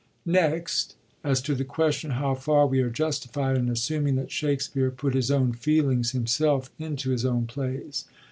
Next, as to the question how far we are justified in assuming that Shakspere put his own feelings, himself, into his own plays.